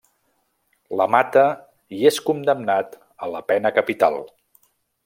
La mata i és condemnat a la pena capital.